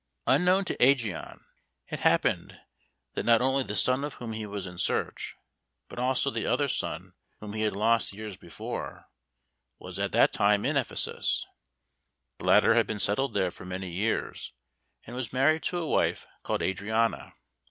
Unknown to Ægeon, it happened that not only the son of whom he was in search, but also the other son whom he had lost years before, was at that time in Ephesus. The latter had been settled there for many years, and was married to a wife called Adriana.